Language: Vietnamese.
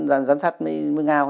rắn thắt mới ngao